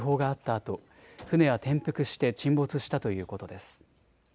あと船は転覆して沈没したということです。